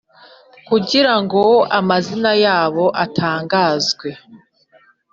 kugira ngo amazina yabo atangazwe